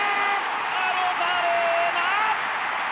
アロザレーナ！